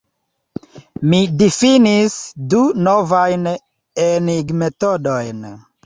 Mi difinis du novajn enigmetodojn.